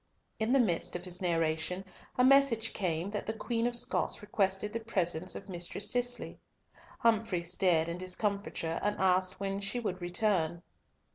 In the midst of his narration a message came that the Queen of Scots requested the presence of Mistress Cicely. Humfrey stared in discomfiture, and asked when she would return.